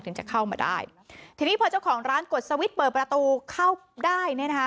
ถึงจะเข้ามาได้ทีนี้พอเจ้าของร้านกดเปิดประตูเข้าได้นะฮะ